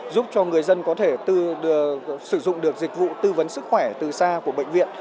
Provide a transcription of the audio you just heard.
giúp cho người dân có thể sử dụng được dịch vụ tư vấn sức khỏe từ xa của bệnh viện